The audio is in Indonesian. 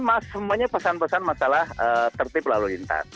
mas semuanya pesan pesan masalah tertib lalu lintas